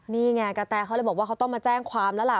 นี่ไงกระแตเขาเลยบอกว่าเขาต้องมาแจ้งความแล้วล่ะ